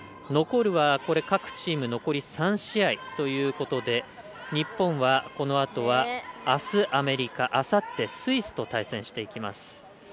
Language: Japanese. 残るは各チーム残り３試合ということで日本は、このあとはあす、アメリカあさってスイスと対戦していきます。